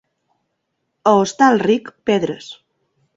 A Hostalric, pedres.